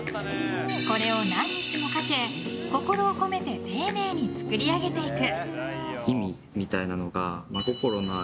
これを何日もかけ心を込めて丁寧に作り上げていく。